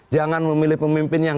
jangan memilih pemimpin yang